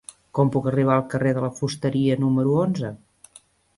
Com puc arribar al carrer de la Fusteria número onze?